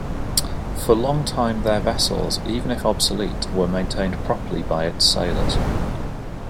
For long time their vessels, even if obsolete, were maintained properly by its sailors.